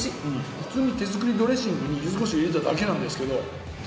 普通に手作りドレッシングに柚子胡椒を入れただけなんですけど。